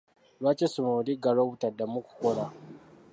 Lwaki essomero liggalwa obutaddamu kukola?